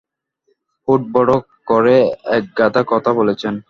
হোড়বড় করে একগাদা কথা বলেছেন।